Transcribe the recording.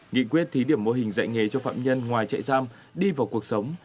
nghị quyết thí điểm mô hình dạy nghề cho phạm nhân ngoài chạy giam đi vào cuộc sống